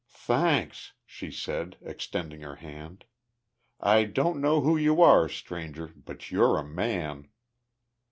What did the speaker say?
"Thanks," she said, extending her hand. "I don't know who you are, stranger, but you're a man!"